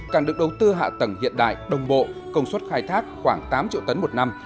cảng được đầu tư hạ tầng hiện đại đồng bộ công suất khai thác khoảng tám triệu tấn một năm